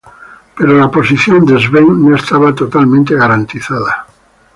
Pero la posición de Svend no estaba totalmente garantizada.